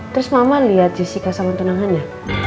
terus mama lihat jessica sama tunangannya